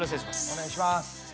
お願いします。